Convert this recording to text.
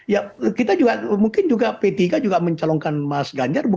ya kita juga mungkin juga p tiga juga mencalonkan mas ganjar